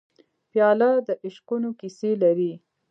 پیاله د عشقونو کیسې لري.